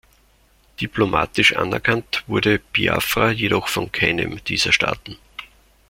Diplomatisch anerkannt wurde Biafra jedoch von keinem dieser Staaten.